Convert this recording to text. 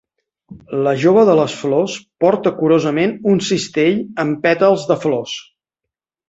La jove de les flors porta curosament un cistell amb pètals de flors.